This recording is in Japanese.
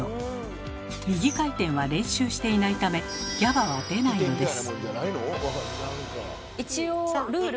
右回転は練習していないためＧＡＢＡは出ないのです。